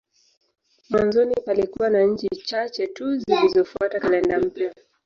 Mwanzoni palikuwa na nchi chache tu zilizofuata kalenda mpya.